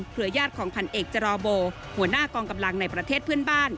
ญาติของพันเอกจรอโบหัวหน้ากองกำลังในประเทศเพื่อนบ้าน